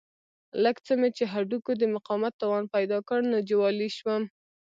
لږ څه مې چې هډوکو د مقاومت توان پیدا کړ نو جوالي شوم.